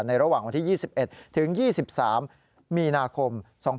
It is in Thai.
ในระหว่างวันที่๒๑๒๓มีนาคม๒๕๖๐